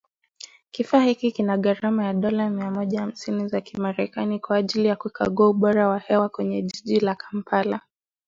Kifaa hiki kina gharama ya dola mia moja hamsini za kimerekani kwa ajili ya kukagua ubora wa hewa kwenye jiji la Kampala